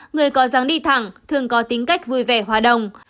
người có dáng đi thẳng thường có tính cách vui vẻ hòa đồng